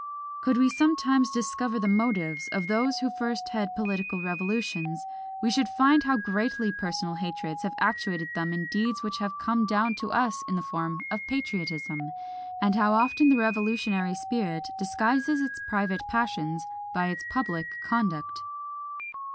Could we sometimes discover the motives of those who first head political revolutions, we should find how greatly personal hatreds have actuated them in deeds which have come down to us in the form of patriotism, and how often the revolutionary spirit disguises its private passions by its public conduct.